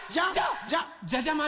じゃじゃまる？